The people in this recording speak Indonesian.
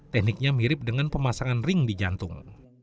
tekniknya mirip dengan pemasangan ring di jantung